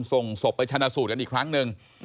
ส่งศพไปชนะสูตรกันอีกครั้งหนึ่ง